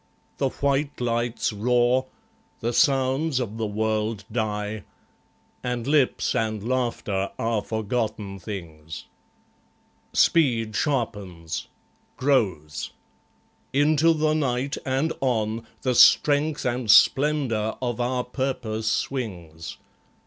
The white lights roar. The sounds of the world die. And lips and laughter are forgotten things. Speed sharpens; grows. Into the night, and on, The strength and splendour of our purpose swings.